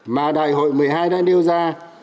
mà đại hội một mươi hai đã nêu ra